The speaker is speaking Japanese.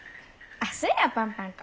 あっそれやパンパン粉。